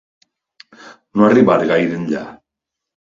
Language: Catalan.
No arribar gaire enllà.